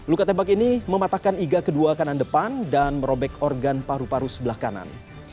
luka tembak ini mematahkan iga kedua kanan depan dan merobek organ paru paru sebelah kanan